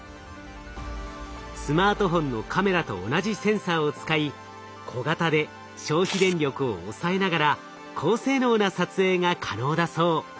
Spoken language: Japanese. スマートフォンのカメラと同じセンサーを使い小型で消費電力を抑えながら高性能な撮影が可能だそう。